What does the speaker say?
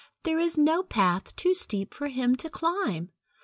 There is no path too steep for him to climb.